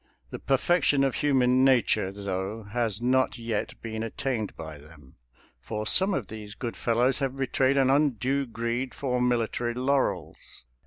The perfection of human nature, though, has not yet been attained by them, for some of these good fellows have betrayed an undue greed for mili tary laurels.